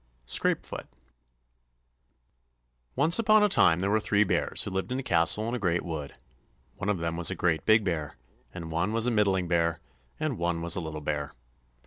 Scrapefoot Once upon a time, there were three bears who lived in a castle in a great wood. One of them was a great big bear, and one was a middling bear, and one was a little bear.